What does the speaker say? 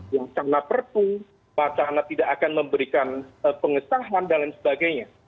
yang sana pertu mana mana tidak akan memberikan pengesahan dan lain sebagainya